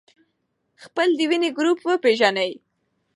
خپل د وینې ګروپ وپېژنئ.